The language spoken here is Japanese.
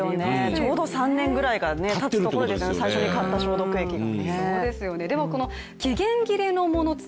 ちょうど３年ぐらいがたつところで最初に買った消毒液が。